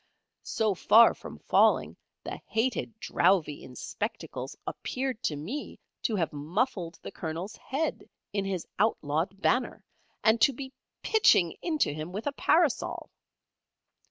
So far from falling, the hated Drowvey in spectacles appeared to me to have muffled the Colonel's head in his outlawed banner, and to be pitching into him with a parasol.